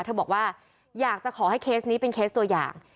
บอกว่าอยากจะขอให้เคสนี้เป็นเคสตัวอย่าง